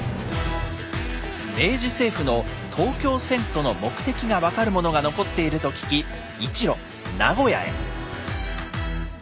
明治政府の東京遷都の目的が分かるものが残っていると聞き一路名古屋へ。